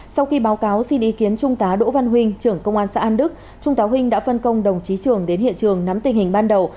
sau khi báo cáo xin ý kiến trung tá đỗ văn huynh trưởng công an xã an đức trung tá huỳnh đã phân công đồng chí trường đến hiện trường nắm tình hình ban đầu